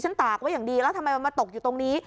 ตากไว้อย่างดีแล้วทำไมมันมาตกอยู่ตรงนี้